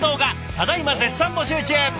ただいま絶賛募集中！